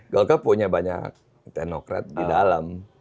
golkar punya banyak teknokrat di dalam